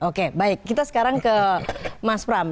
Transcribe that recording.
oke baik kita sekarang ke mas pram